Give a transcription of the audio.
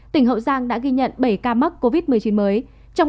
tỉnh hậu giang đã ghi nhận bảy ca mắc covid một mươi chín mới